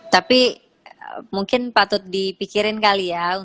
tapi mungkin patut dipikirin kali ya